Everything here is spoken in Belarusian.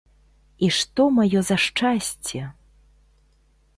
І што маё за шчасце?